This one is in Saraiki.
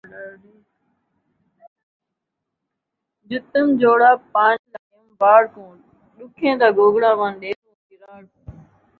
جُتّم جوڑا پاݨی لایم واڑ کوں، ݙکھیں دا گوگڑا ونڄ ݙیسوں کراڑ کوں